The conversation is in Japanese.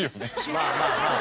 まあまあまあ。